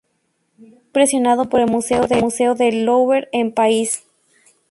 Quedó impresionado por el Museo del Louvre en París.